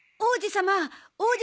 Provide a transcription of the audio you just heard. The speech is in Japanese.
王子様。